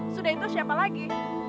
sudah itu siapa lagi